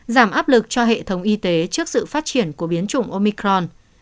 giảm áp lực cho hệ thống y tế trước sự phát triển của biến chủng omicron